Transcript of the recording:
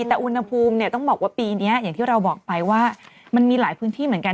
แต่อุณหภูมิเนี่ยต้องบอกว่าปีนี้อย่างที่เราบอกไปว่ามันมีหลายพื้นที่เหมือนกัน